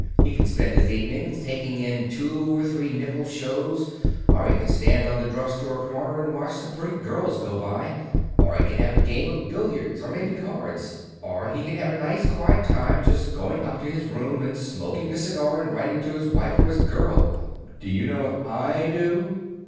He can spend his evenings taking in two or three nickel shows, or he can stand on the drug store corner and watch the pretty girls go by, or he can have a game of billiards, or maybe cards. Or he can have a nice, quiet time just going up to his room, and smoking a cigar and writing to his wife or his girl. D'you know what I do?"